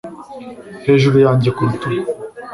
Hejuru yanjye ku rutugu